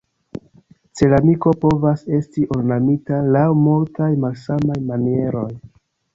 Ceramiko povas esti ornamita laŭ multaj malsamaj manieroj.